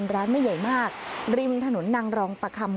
ริมถนนนังรองปะคำ